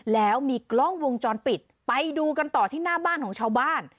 แล้วมีกล้องวงจรปิดไปดูกันต่อที่หน้าบ้านของชาวบ้าน